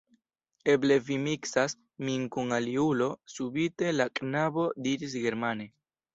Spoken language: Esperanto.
Eble vi miksas min kun aliulo, subite la knabo diris germane.